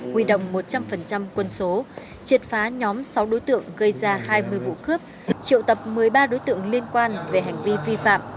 huy động một trăm linh quân số triệt phá nhóm sáu đối tượng gây ra hai mươi vụ cướp triệu tập một mươi ba đối tượng liên quan về hành vi vi phạm